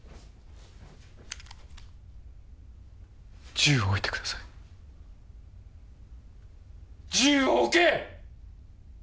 銃を置いてください銃を置け！